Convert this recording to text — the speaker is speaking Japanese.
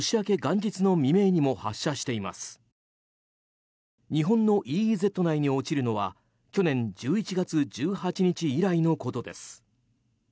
日本のＥＥＺ内に落ちるのは去年１１月１８日以来のことです。